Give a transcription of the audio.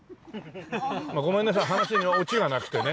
ごめんなさい話にオチがなくてね。